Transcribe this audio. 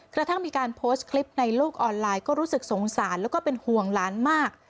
กระทั่งมีการโพสต์คลิปในโลกออนไลน์ก็รู้สึกสงสารแล้วก็เป็นห่วงหลานมาก